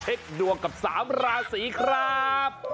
ดวงกับ๓ราศีครับ